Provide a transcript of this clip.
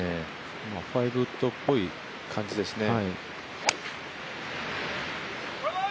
５ウッドっぽい感じですね。